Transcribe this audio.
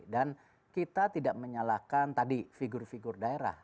dan kita tidak menyalahkan tadi figur figur daerah